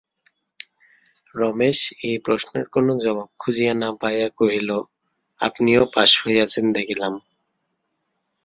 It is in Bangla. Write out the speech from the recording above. রমেশ এই প্রশ্নের কোনো জবাব খুঁজিয়া না পাইয়া কহিল, আপনিও পাস হইয়াছেন দেখিলাম।